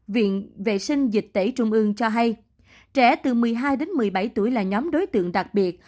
viện vệ sinh dịch tễ trung ương cho hay trẻ từ một mươi hai đến một mươi bảy tuổi là nhóm đối tượng đặc biệt